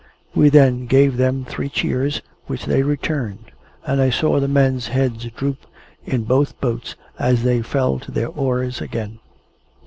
We then gave them three cheers, which they returned, and I saw the men's heads droop in both boats as they fell to their oars again.